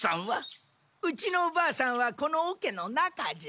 うちのばあさんはこのおけの中じゃ。